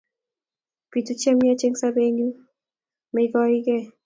Pitu chemyachen eng' sobenyu megoike.